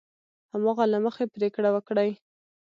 هماغه له مخې پرېکړه وکړي.